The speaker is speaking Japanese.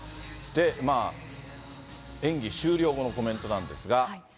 で、演技終了後のコメントなんですが。